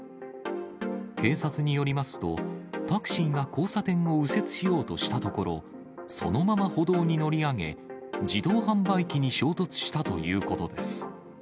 警察によりますと、タクシーが交差点を右折しようとしたところ、そのまま歩道に乗り上げ、自動販売機に衝突したということです。